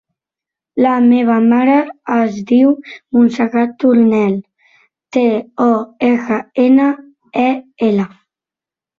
La meva mare es diu Montserrat Tornel: te, o, erra, ena, e, ela.